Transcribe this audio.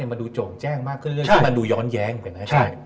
มันดูโจ่งแจ้งมากขึ้นเรื่องที่มันดูย้อนแย้งไปไหม